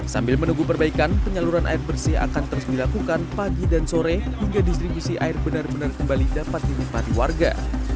sambil menunggu perbaikan penyaluran air bersih akan terus dilakukan pagi dan sore hingga distribusi air benar benar kembali dapat dinikmati warga